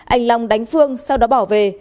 anh long đánh phương sau đó bỏ về